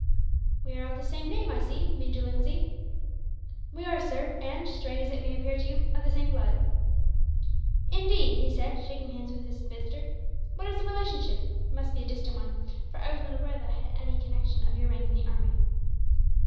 "We are of the same name, I see, Major Lindsay." "We are, sir; and, strange as it may appear to you, of the same blood." "Indeed!" he said, shaking hands with his visitor. "What is the relationship? It must be a distant one, for I was not aware that I had any connection of your rank in the army.